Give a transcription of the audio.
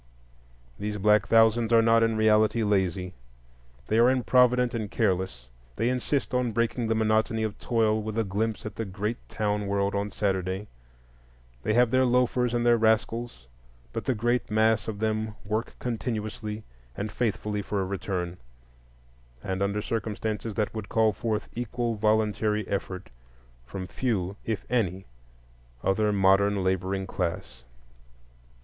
These black thousands are not in reality lazy; they are improvident and careless; they insist on breaking the monotony of toil with a glimpse at the great town world on Saturday; they have their loafers and their rascals; but the great mass of them work continuously and faithfully for a return, and under circumstances that would call forth equal voluntary effort from few if any other modern laboring class.